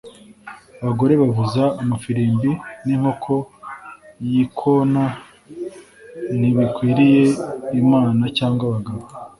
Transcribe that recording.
abagore bavuza amafirimbi n'inkoko yikona ntibikwiriye imana cyangwa abagabo